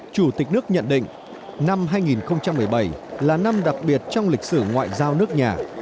chủ tịch nước nhận định năm hai nghìn một mươi bảy là năm đặc biệt trong lịch sử ngoại giao nước nhà